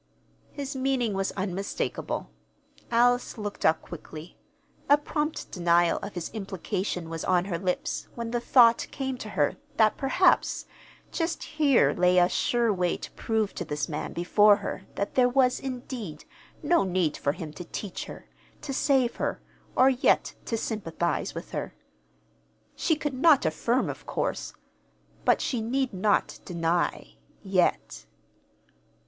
His meaning was unmistakable. Alice looked up quickly. A prompt denial of his implication was on her lips when the thought came to her that perhaps just here lay a sure way to prove to this man before her that there was, indeed, no need for him to teach her, to save her, or yet to sympathize with her. She could not affirm, of course; but she need not deny yet.